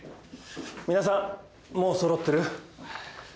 皆さんもう揃ってる？